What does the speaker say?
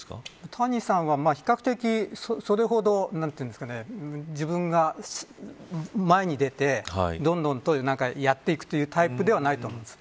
谷さんは比較的、それほど自分が前に出てどんどんとやっていくというタイプではないと思います。